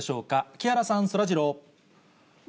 木原さん、そらジロー。